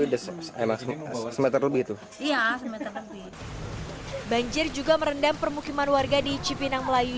sudah semenurutnya lebih itu iya banjir juga merendam permukiman warga di cipinang melayu